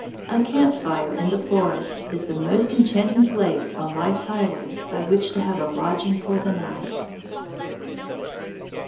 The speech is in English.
A camp fire in the forest is the most enchanting place on life's highway by which to have a lodging for the night.